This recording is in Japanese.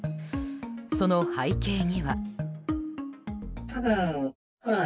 その背景には。